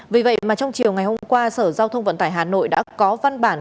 vì vậy mà trong chiều ngày hôm qua sở giao thông vận tải hà nội đã có văn bản